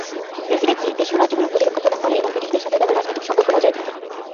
Presidency দেশীয় রাজ্যগুলোর প্রতিরক্ষা প্রদান করে এবং ব্রিটিশদের সাথে তাদের রাজনৈতিক সম্পর্ক বজায় থাকে।